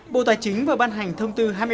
bộ tài chính vừa ban hành thông tư hai mươi ba